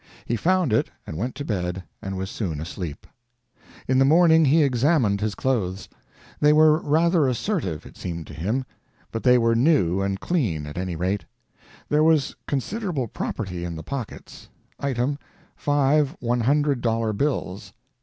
He found it and went to bed and was soon asleep. In the morning, he examined his clothes. They were rather assertive, it seemed to him, but they were new and clean, at any rate. There was considerable property in the pockets. Item, five one hundred dollar bills.